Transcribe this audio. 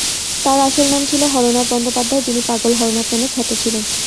তার আসল নাম ছিল হরনাথ বন্দ্যোপাধ্যায়, যিনি 'পাগল হরনাথ' নামে খ্যাত ছিলেন।